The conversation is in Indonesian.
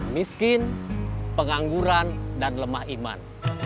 miskin pengangguran dan lemah iman